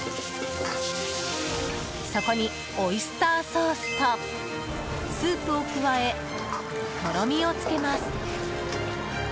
そこにオイスターソースとスープを加え、とろみをつけます。